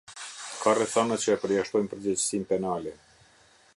Ka rrethana që e përjashtojnë përgjegjësinë penale.